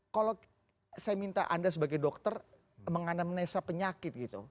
kalau saya minta anda sebagai dokter menganamnesa penyakit gitu